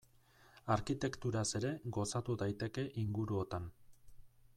Arkitekturaz ere gozatu daiteke inguruotan.